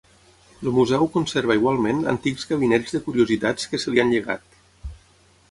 El museu conserva igualment antics gabinets de curiositats que se li han llegat.